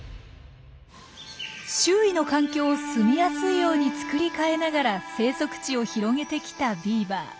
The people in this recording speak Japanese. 周囲の環境を住みやすいように作り替えながら生息地を広げてきたビーバー。